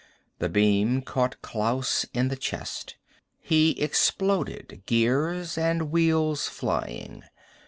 The beam caught Klaus in the chest. He exploded, gears and wheels flying.